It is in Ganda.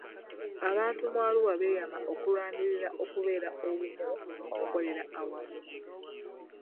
Abantu mu Arua beyama okulwanirira okubeera obumu n'okukolera awamu.